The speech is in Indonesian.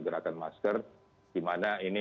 gerakan masker di mana ini